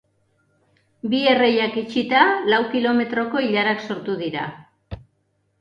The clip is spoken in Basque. Bi erreiak itxita, lau kilometroko ilarak sortu dira.